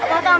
oh yang urus